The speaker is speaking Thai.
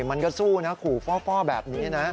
มันก็สู้นะขู่ฟ่อแบบนี้นะ